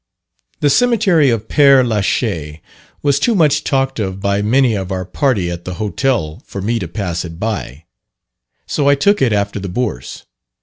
The Cemetery of Père la Chaise was too much talked of by many of our party at the Hotel for me to pass it by, so I took it after the Bourse.